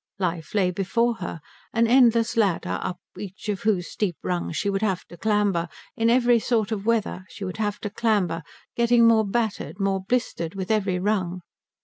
Life lay before her, an endless ladder up each of whose steep rungs she would have to clamber; in every sort of weather she would have to clamber, getting more battered, more blistered with every rung....